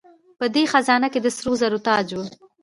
په دې خزانه کې د سرو زرو تاج و